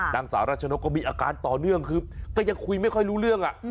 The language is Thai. นางสาวรัชนกก็มีอาการต่อเนื่องคือก็ยังคุยไม่ค่อยรู้เรื่อง